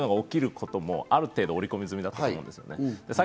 こういうのが起きることもある程度、織り込み済みだったと思います。